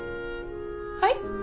はい？